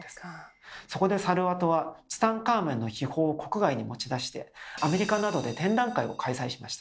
そこでサルワトはツタンカーメンの秘宝を国外に持ち出してアメリカなどで展覧会を開催しました。